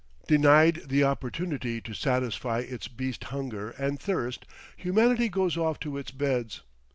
Denied the opportunity to satisfy its beast hunger and thirst, humanity goes off to its beds.